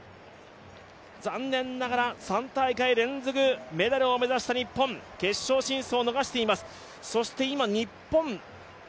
残念ながら３大会連続メダルを目指した日本、決勝進出を逃しています。